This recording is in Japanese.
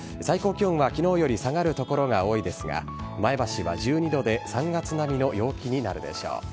最高気温はきのうより下がる所が多いですが、前橋は１２度で３月並みの陽気になるでしょう。